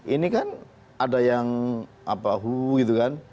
ini kan ada yang apa huu gitu kan